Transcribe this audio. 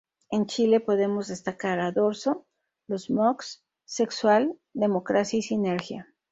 En Chile podemos destacar a Dorso, Los Mox!, Sexual Democracia y Sinergia.